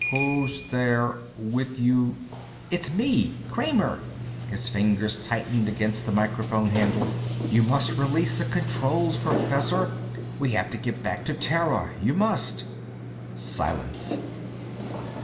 Who's there? With you...." "It's me, Kramer." His fingers tightened against the microphone handle. "You must release the controls, Professor. We have to get back to Terra. You must." Silence.